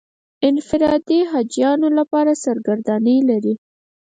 انفرادي حاجیانو لپاره سرګردانۍ لري.